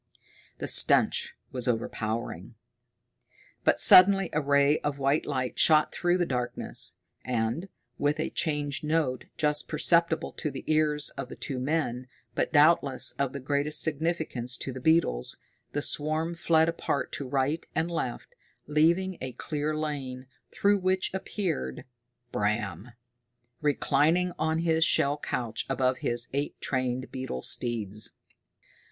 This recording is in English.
The stench was overpowering. But suddenly a ray of white light shot through the darkness, and, with a changed note, just perceptible to the ears of the two men, but doubtless of the greatest significance to the beetles, the swarm fled apart to right and left, leaving a clear lane, through which appeared Bram, reclining on his shell couch above his eight trained beetle steeds!